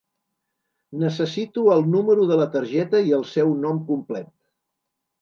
Necessito el número de la targeta i el seu nom complet.